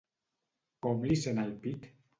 Com li sent el pit?